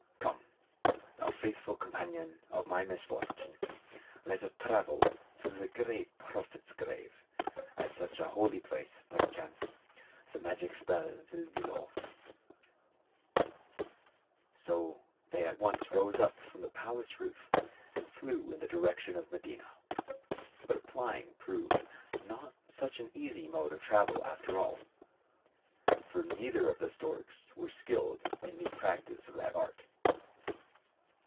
Come, thou faithful companion of my misfortune, let us travel to the great Prophet's grave. At such a holy place, perchance the magic spell will dis solve." So they at once rose up from the palace roof and flew in the direction of Medina. But flying proved not such an easy mode of travel, after all. For neither of the storks were skilled in the practice of that art.